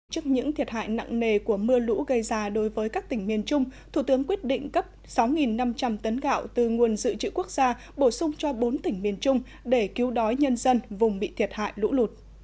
trước những thiệt hại nặng nề của mưa lũ gây ra đối với các tỉnh miền trung thủ tướng quyết định cấp sáu năm trăm linh tấn gạo từ nguồn dự trữ quốc gia bổ sung cho bốn tỉnh miền trung để cứu đói nhân dân vùng bị thiệt hại lũ lụt